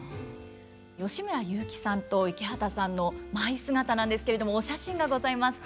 吉村雄輝さんと池畑さんの舞姿なんですけれどもお写真がございます。